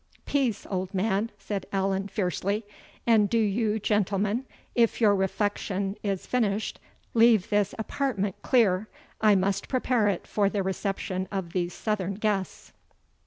"Peace, old man!" said Allan, fiercely; "and do you, gentlemen, if your refection is finished, leave this apartment clear; I must prepare it for the reception of these southern guests."